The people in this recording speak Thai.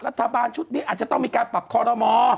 รัฐบาลชุดนี้อาจจะต้องมีการปรับคอรมอ